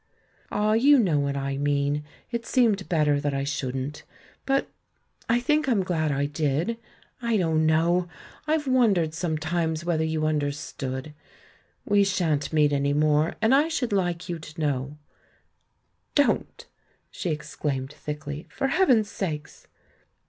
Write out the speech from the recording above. "Ah, you know what I mean — it seemed bet ter that I shouldn't. But ... I think I'm glad I did; I don't know! I've wondered sometimes THE MAN WHO UNDERSTOOD WOMEN 15 whether you understood. ... We shan't meet any more, and I should Uke you to know " "Don't," she exclaimed thickly. "For heav en's sake!"